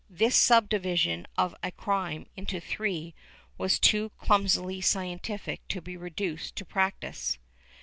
^ This subdivision of a crime into three was too clumsily scientific to be reduced to practice.